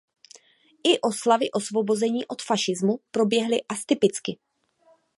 I oslavy osvobození od fašismu proběhly astypicky.